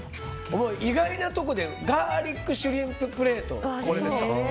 意外なところでガーリックシュリンププレート。